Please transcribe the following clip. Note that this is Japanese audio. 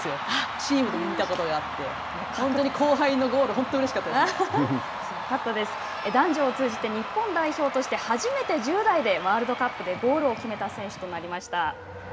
チームで見たことがあって、本当に後輩のゴール、男女を通じて日本代表として初めて１０代でワールドカップでゴールを決めた選手となりました。